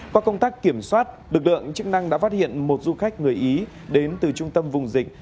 qua công tác kiểm soát lực lượng chức năng đã phát hiện một du khách người ý đến từ trung tâm vùng dịch